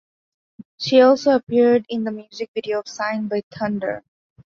She also appeared in the music video of "Sign" by Thunder.